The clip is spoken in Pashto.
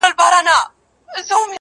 سړي وویل نه غواوي نه اوښان سته!.